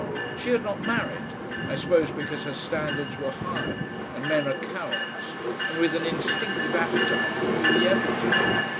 She had not married, I suppose because her standards were high, and men are cowards and with an instinctive appetite for muliebrity.